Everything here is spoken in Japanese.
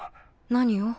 何を？